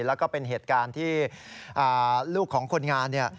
แล้วก็เป็นเหตุการณ์ที่ลูกของคนงานเนี่ย